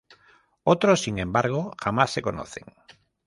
Otros, sin embargo, jamás se conocen.